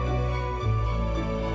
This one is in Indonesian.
yang lagi beriza